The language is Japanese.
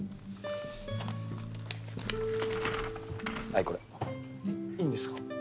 はいこれいいんですか？